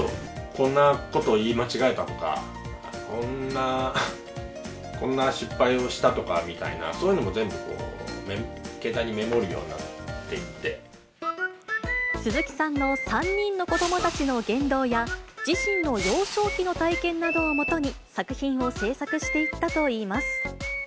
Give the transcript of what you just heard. こんなことを言い間違えたとか、こんな失敗をしたとかみたいな、そういうのも全部、鈴木さんの３人の子どもたちの言動や、自身の幼少期の体験などを基に、作品を制作していったといいます。